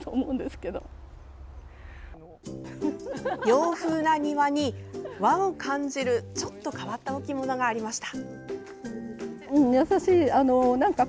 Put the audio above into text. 洋風な庭に、和を感じるちょっと変わった置物がありました。